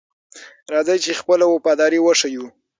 راځئ چې خپله وفاداري وښیو.